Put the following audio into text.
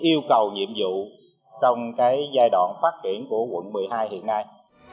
yêu cầu nhiệm vụ trong giai đoạn phát triển của quận một mươi hai hiện nay